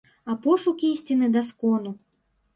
А пошук ісціны да скону.